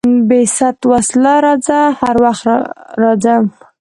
بې ست وسلا راځه، هر وخت راځه.